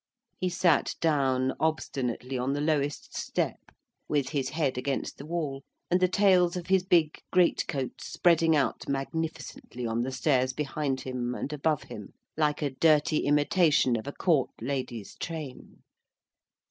He sat down obstinately on the lowest step, with his head against the wall, and the tails of his big great coat spreading out magnificently on the stairs behind him and above him, like a dirty imitation of a court lady's train.